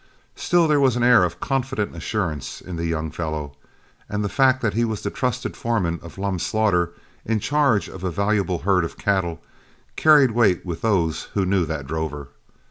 Still there was an air of confident assurance in the young fellow; and the fact that he was the trusted foreman of Lum Slaughter, in charge of a valuable herd of cattle, carried weight with those who knew that drover.